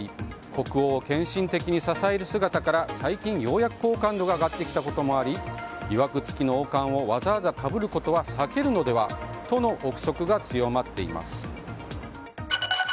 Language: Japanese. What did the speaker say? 国王を献身的に支える姿から最近ようやく好感度が上がってきたこともありいわくつきの王冠をわざわざかぶることは避けるのではとの憶測が強まっています。